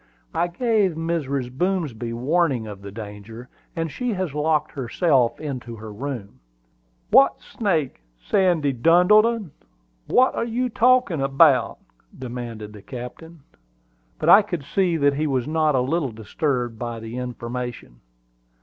"I gave Mrs. Boomsby warning of the danger, and she has locked herself into her room." "What snake, Sandy Duddleton? What you talking about?" demanded the captain. But I could see that he was not a little disturbed by the information.